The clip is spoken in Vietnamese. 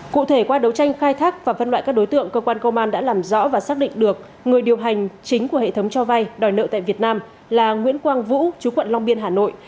cụ thể qua đấu tranh khai thác và phân loại các đối tượng cơ quan công an đã làm rõ và xác định được người điều hành chính của hệ thống cho vay đòi nợ tại việt nam là nguyễn quang vũ chú quận long biên hà nội